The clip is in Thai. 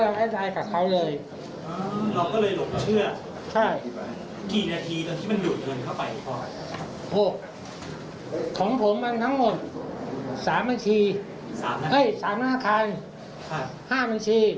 ล้านสองห้าล้านสองห้านะครับครับ